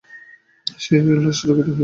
সে উল্লাসে চকিত হইয়া উঠিল।